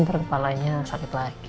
nanti kepalanya sakit lagi